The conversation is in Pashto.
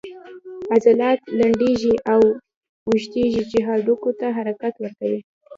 عضلات لنډیږي او اوږدیږي چې هډوکو ته حرکت ورکوي